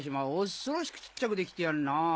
恐ろしく小っちゃく出来てやがんな。